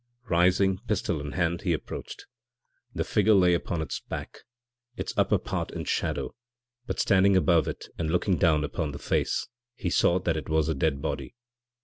Rising, pistol in hand, he approached. The figure lay upon its back, its upper part in shadow, but standing above it and looking down upon the face, he saw that it was a dead body.